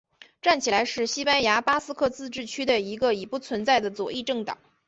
站起来是西班牙巴斯克自治区的一个已不存在的左翼政党。